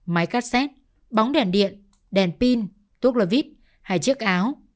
máy cassette bóng đèn điện đèn pin túc lò vít hai chiếc áo